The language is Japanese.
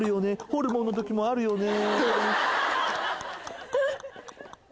ホルモンのときもあるよね